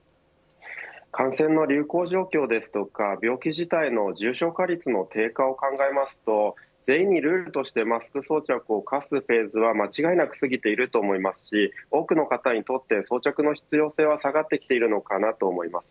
感染の流行状況ですとか病気自体の重症化率の低下を考えますと全員にルールとしてマスク装着を課すフェーズは間違いなく過ぎていると思いますし、多くの方にとって装着の必要性は下がってきてるのかなと思います。